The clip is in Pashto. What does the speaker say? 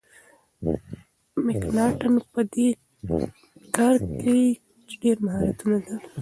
مکناټن په دې کار کي ډیر مهارت درلود.